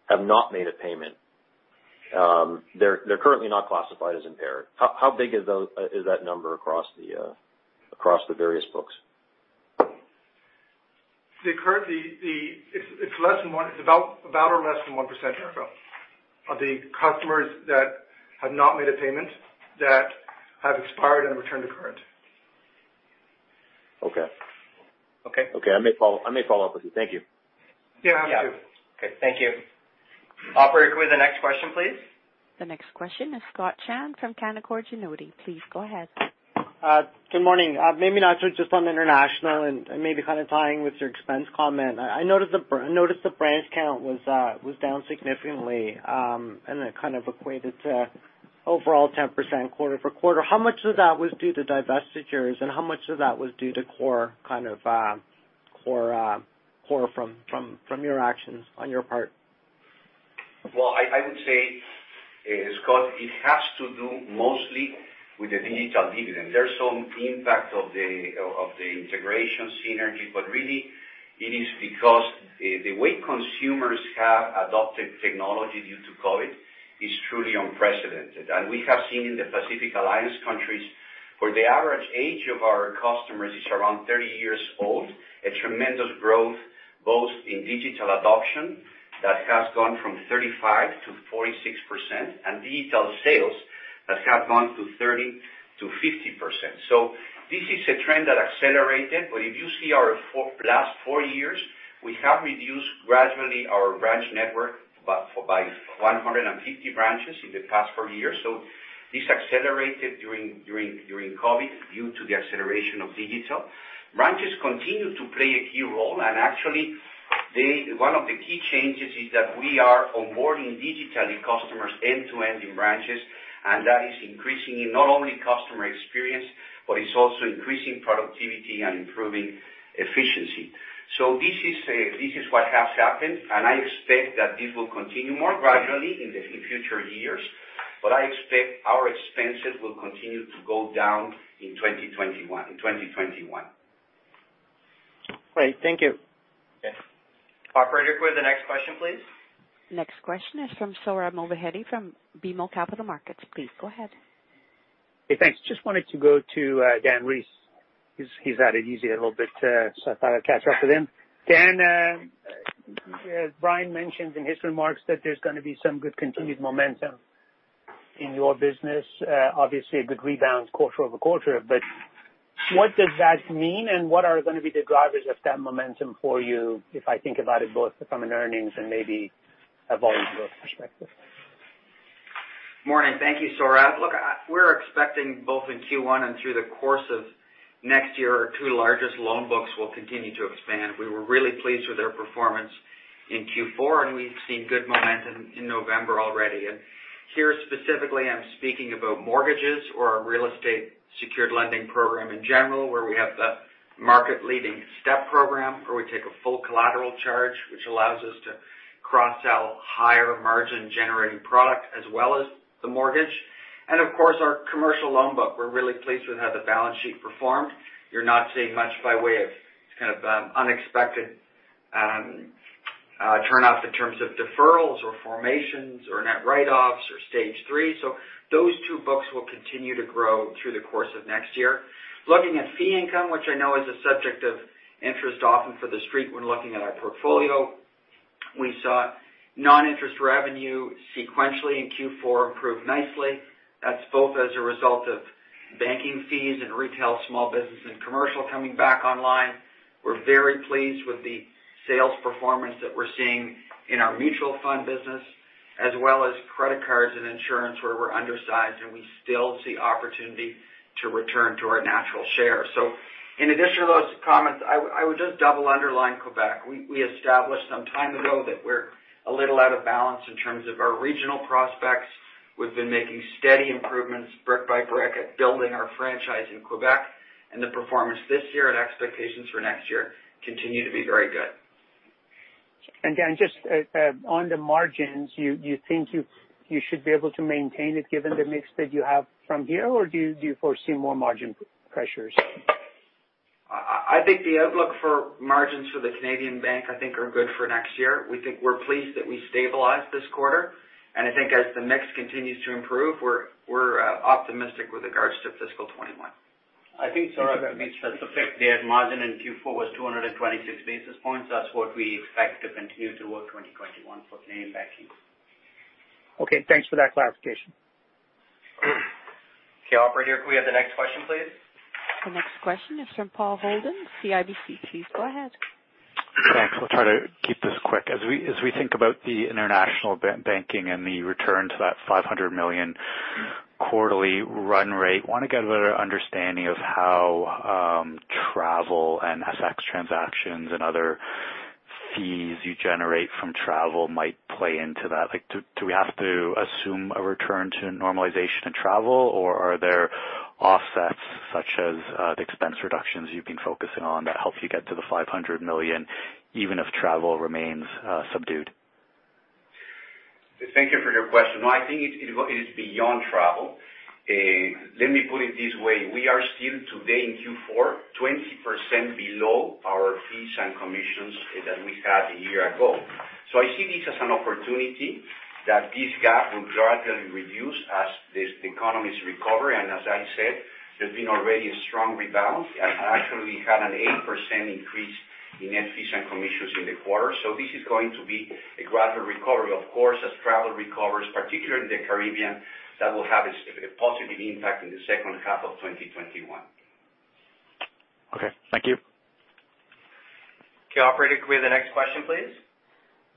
have not made a payment, they're currently not classified as impaired. How big is that number across the various books? It's about or less than 1% of the customers that have not made a payment that have expired and returned to current. Okay. Okay. Okay. I may follow up with you. Thank you. Yeah, happy to. Yeah. Okay, thank you. Operator, could we have the next question, please? The next question is Scott Chan from Canaccord Genuity. Please go ahead. Good morning. Maybe not just on International and kind of tying with your expense comment. I noticed the branch count was down significantly, and it kind of equated to overall 10% quarter-over-quarter. How much of that was due to divestitures and how much of that was due to core from your actions on your part? Well, I would say, Scott, it has to do mostly with the digital dividend. There's some impact of the integration synergy, but really it is because the way consumers have adopted technology due to COVID-19 is truly unprecedented. We have seen in the Pacific Alliance countries, where the average age of our customers is around 30 years old, a tremendous growth both in digital adoption that has gone from 35% to 46%, and digital sales that have gone to 30%-50%. This is a trend that accelerated. If you see our last four years, we have reduced gradually our branch network by 150 branches in the past four years. This accelerated during COVID-19 due to the acceleration of digital. Branches continue to play a key role. Actually, one of the key changes is that we are onboarding digitally customers end-to-end in branches, and that is increasing in not only customer experience, but it's also increasing productivity and improving efficiency. This is what has happened, and I expect that this will continue more gradually in future years. I expect our expenses will continue to go down in 2021. Great. Thank you. Okay. Operator, could we have the next question, please? Next question is from Sohrab Movahedi from BMO Capital Markets. Please go ahead. Hey, thanks. Just wanted to go to Dan Rees. He's at it easy a little bit, so I thought I'd catch up with him. Dan, Brian mentioned in his remarks that there's going to be some good continued momentum in your business. Obviously a good rebound quarter-over-quarter, what does that mean and what are going to be the drivers of that momentum for you if I think about it both from an earnings and maybe a volume growth perspective? Morning. Thank you, Sohrab. Look, we're expecting both in Q1 and through the course of next year, our two largest loan books will continue to expand. We were really pleased with their performance in Q4, and we've seen good momentum in November already. Here specifically, I'm speaking about mortgages or our real estate secured lending program in general, where we have the market leading STEP program where we take a full collateral charge, which allows us to cross-sell higher margin generating product as well as the mortgage. Of course, our commercial loan book, we're really pleased with how the balance sheet performed. You're not seeing much by way of kind of unexpected turnoffs in terms of deferrals or formations or net write-offs or stage 3. Those two books will continue to grow through the course of next year. Looking at fee income, which I know is a subject of interest often for the street when looking at our portfolio, we saw non-interest revenue sequentially in Q4 improve nicely. That's both as a result of banking fees and retail small business and commercial coming back online. We're very pleased with the sales performance that we're seeing in our mutual fund business, as well as credit cards and insurance where we're undersized and we still see opportunity to return to our natural share. In addition to those comments, I would just double underline Quebec. We established some time ago that we're a little out of balance in terms of our regional prospects. We've been making steady improvements brick by brick at building our franchise in Quebec, and the performance this year and expectations for next year continue to be very good. Dan, just on the margins, you think you should be able to maintain it given the mix that you have from here, or do you foresee more margin pressures? I think the outlook for margins for the Canadian Banking, I think are good for next year. We think we're pleased that we stabilized this quarter. I think as the mix continues to improve, we're optimistic with regards to fiscal 2021. I think, Sohrab, that Mitch has the fact their margin in Q4 was 226 basis points. That's what we expect to continue toward 2021 for Canadian Banking. Okay, thanks for that clarification. Okay, operator, could we have the next question, please? The next question is from Paul Holden, CIBC. Please go ahead. Thanks. I'll try to keep this quick. As we think about the International Banking and the return to that 500 million quarterly run rate, want to get a better understanding of how travel and FX transactions and other fees you generate from travel might play into that. Do we have to assume a return to normalization in travel, or are there offsets such as the expense reductions you've been focusing on that helps you get to the 500 million even if travel remains subdued? Thank you for your question. No, I think it is beyond travel. Let me put it this way. We are still today in Q4, 20% below our fees and commissions that we had a year ago. I see this as an opportunity that this gap will gradually reduce as the economies recover. As I said, there's been already a strong rebound. I actually had an 8% increase in net fees and commissions in the quarter. This is going to be a gradual recovery, of course, as travel recovers, particularly in the Caribbean, that will have a positive impact in the second half of 2021. Okay, thank you. Okay, operator, could we have the next question, please?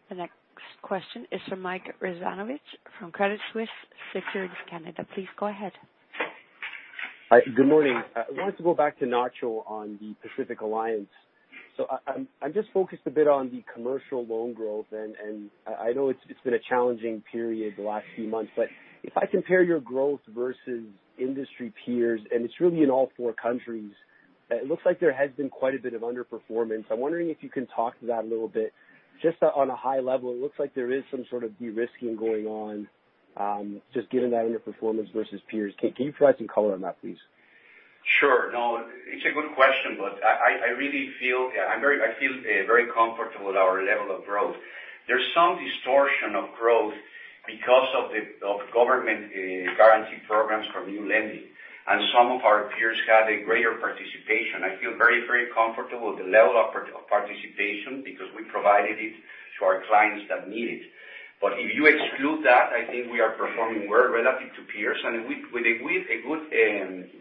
The next question is from Mike Rizvanovicz from Credit Suisse Securities Canada. Please go ahead. Good morning. I wanted to go back to Nacho on the Pacific Alliance. I'm just focused a bit on the commercial loan growth and I know it's been a challenging period the last few months, but if I compare your growth versus industry peers, and it's really in all four countries, it looks like there has been quite a bit of underperformance. I'm wondering if you can talk to that a little bit, just on a high level. It looks like there is some sort of de-risking going on, just given that underperformance versus peers. Can you provide some color on that, please? Sure. It's a good question, but I feel very comfortable with our level of growth. There's some distortion of growth because of government guarantee programs for new lending, and some of our peers have a greater participation. I feel very comfortable with the level of participation because we provided it to our clients that need it. If you exclude that, I think we are performing well relative to peers, and with a good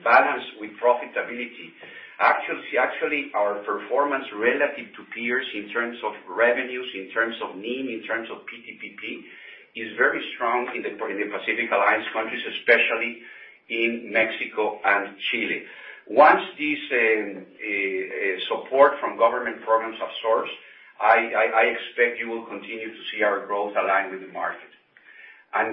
balance with profitability. Actually, our performance relative to peers in terms of revenues, in terms of NIM, in terms of PTPP, is very strong in the Pacific Alliance countries, especially in Mexico and Chile. Once this support from government programs absorbs, I expect you will continue to see our growth align with the market.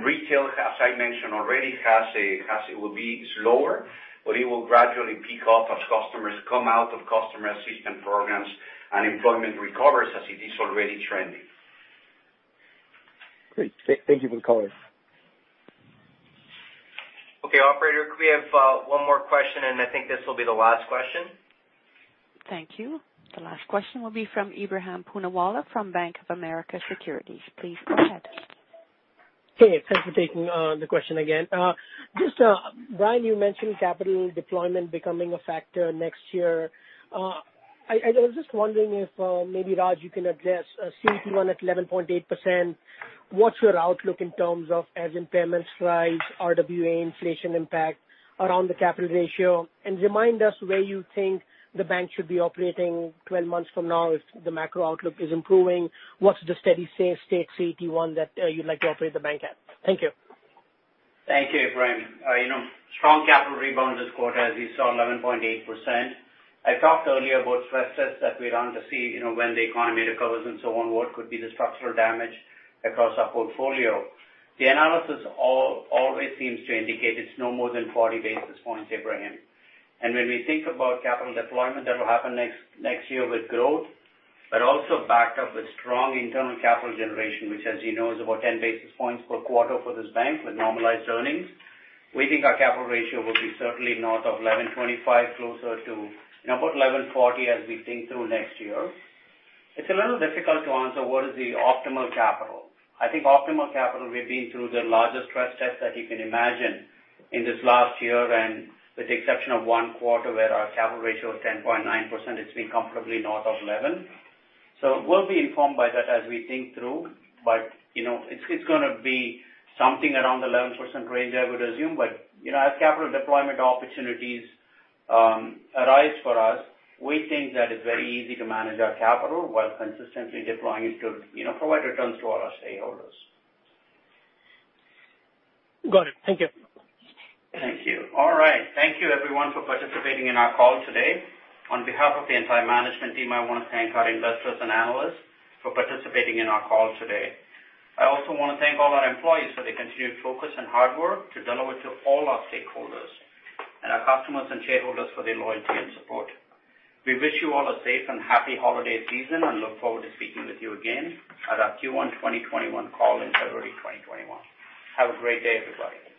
Retail, as I mentioned already, it will be slower, but it will gradually pick up as customers come out of customer assistance programs and employment recovers as it is already trending. Great. Thank you for the color. Okay. Operator, could we have one more question? I think this will be the last question. Thank you. The last question will be from Ebrahim Poonawala from Bank of America Securities. Please go ahead. Hey, thanks for taking the question again. Brian, you mentioned capital deployment becoming a factor next year. I was just wondering if maybe, Raj, you can address CET1 at 11.8%, what's your outlook in terms of as impairments rise, RWA inflation impact around the capital ratio? Remind us where you think the bank should be operating 12 months from now if the macro outlook is improving. What's the steady safe state CET1 that you'd like to operate the bank at? Thank you. Thank you, Ebrahim. Strong capital rebound this quarter, as you saw, 11.8%. I talked earlier about stress tests that we run to see when the economy recovers and so on, what could be the structural damage across our portfolio. The analysis always seems to indicate it's no more than 40 basis points, Ebrahim. When we think about capital deployment, that will happen next year with growth, but also backed up with strong internal capital generation, which as you know, is about 10 basis points per quarter for this bank with normalized earnings. We think our capital ratio will be certainly north of 11.25%, closer to about 11.40% as we think through next year. It's a little difficult to answer what is the optimal capital. I think optimal capital, we've been through the largest stress test that you can imagine in this last year, and with the exception of one quarter where our capital ratio of 10.9%, it's been comfortably north of 11. We'll be informed by that as we think through, it's going to be something around the 11% range, I would assume. As capital deployment opportunities arise for us, we think that it's very easy to manage our capital while consistently deploying it to provide returns to all our shareholders. Got it. Thank you. Thank you. All right. Thank you everyone for participating in our call today. On behalf of the entire management team, I want to thank our investors and analysts for participating in our call today. I also want to thank all our employees for their continued focus and hard work to deliver to all our stakeholders, and our customers and shareholders for their loyalty and support. We wish you all a safe and happy holiday season, and look forward to speaking with you again at our Q1 2021 call in February 2021. Have a great day, everybody. Thank you.